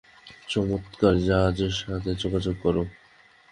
চমৎকার, জাহাজের সাথে যোগাযোগ করো।